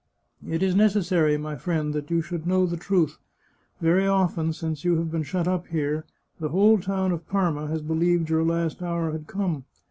" It is necessary, my friend, that you should know the truth. Very often, since you have been shut up here, the whole town of Parma has believed your last hour had come.